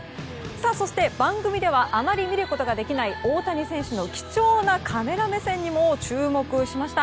そして、番組ではあまり見ることができない大谷選手の貴重なカメラ目線にも注目しました。